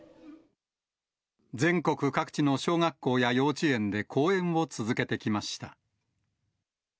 全国各地の小学校や幼稚園で公演を続けてきました。